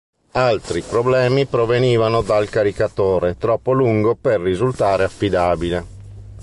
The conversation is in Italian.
Altri problemi provenivano dal caricatore, troppo lungo per risultare affidabile.